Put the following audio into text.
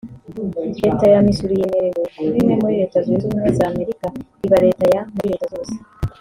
Leta ya Missouri yemerewe kuba imwe muri Leta zunze ubumwe za Amerika iba leta ya muri leta zose